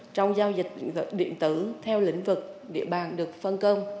trong giao dịch điện tử theo lĩnh vực địa bàn được phân công